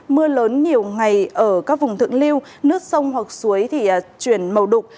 mưa lớn nhiều ngày ở các vùng thượng lưu nước sông hoặc suối thì chuyển màu đục